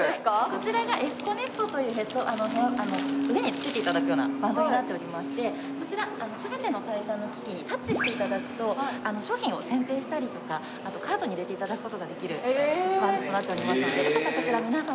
こちらがＳＣＯＮＮＥＣＴという腕につけて頂くようなバンドになっておりましてこちら全ての体験の機器にタッチして頂くと商品を選定したりとかカートに入れて頂く事ができるバンドとなっておりますのでよかったらこちら皆様で。